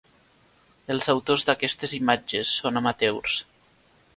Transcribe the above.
Els autors d'aquestes imatges són amateurs.